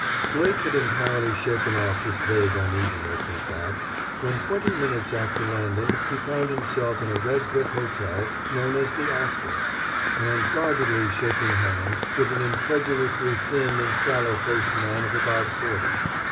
Blake had entirely shaken off this vague uneasiness, in fact, when twenty minutes after landing he found himself in a red brick hotel known as The Astor, and guardedly shaking hands with an incredulously thin and sallow faced man of about forty.